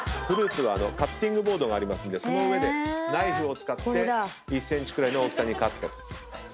フルーツはカッティングボードがありますのでその上でナイフを使って１ｃｍくらいの大きさにカット。